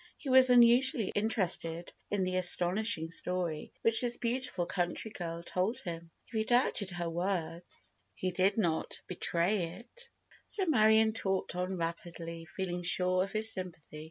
He was unusually interested in the astonishing story which this beautiful country girl told him. If he doubted her words he did not betray it, so Marion talked on rapidly, feeling sure of his sympathy.